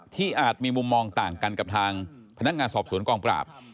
อาจมีมุมมองต่างกันกับทางพนักงานสอบสวนกองปราบ